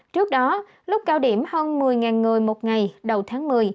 trước đó lúc cao điểm hơn một mươi người một ngày đầu tháng một mươi